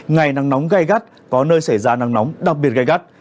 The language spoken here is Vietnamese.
ngày nắng nóng gai gắt có nơi xảy ra nắng nóng đặc biệt gai gắt